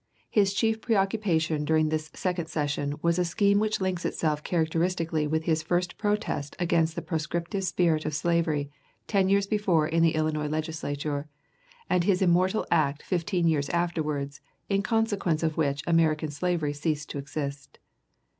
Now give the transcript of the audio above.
His chief preoccupation during this second session was a scheme which links itself characteristically with his first protest against the proscriptive spirit of slavery ten years before in the Illinois Legislature and his immortal act fifteen years afterwards in consequence of which American slavery ceased to exist.